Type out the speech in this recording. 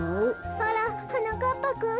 あらはなかっぱくん。